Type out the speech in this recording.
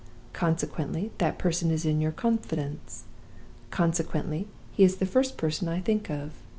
Consequently, that person is in your confidence. Consequently, he is the first person I think of.